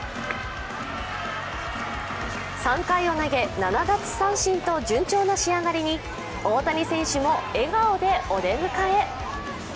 ３回を投げ、７奪三振と順調な仕上がりに大谷選手も笑顔でお出迎え。